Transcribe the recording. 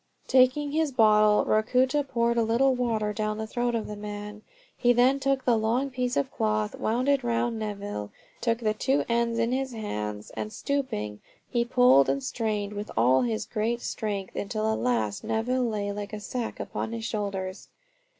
Taking his bottle, Ruatoka poured a little water down the throat of the man. He then took the long piece of cloth, wound it round Neville, took the two ends in his hands, and stooping, he pulled and strained with all his great strength, until at last Neville lay like a sack upon his shoulders.